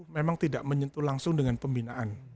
memang tidak menyentuh langsung dengan pembinaan